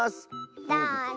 どうぞ。